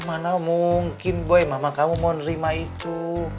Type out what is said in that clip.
mana mungkin boy mama kamu mau terima itu